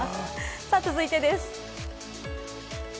さぁ続いてです。